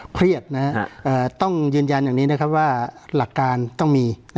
เครียดต้องยืนยันอย่างนี้นะครับว่าหลักการต้องมี